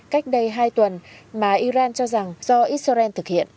cách đây hai tuần mà iran cho rằng do israel thực hiện